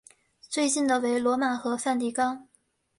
最近的为罗马和梵蒂冈。